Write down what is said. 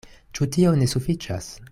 Ĉu tio ne sufiĉas?